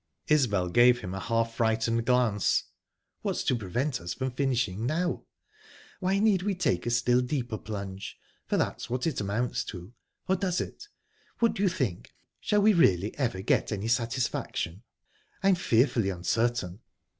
Isbel gave him a half frightened glance. "What's to prevent us from finishing now? Why need we take a still deeper plunge for that's what it amounts to...or does it? What do you think shall we really ever get any satisfaction? I'm fearfully uncertain..."